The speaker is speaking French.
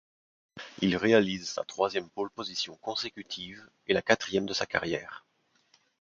Il réalise sa troisième pole position consécutive et la quatrième de sa carrière.